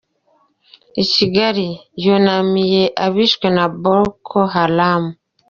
I Kigali, yunamiye abishwe na Boko Haram.